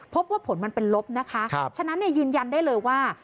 พบว่าผลมันเป็นลบนะคะฉะนั้นยืนยันได้เลยว่า